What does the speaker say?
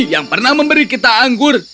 yang pernah memberi kita anggur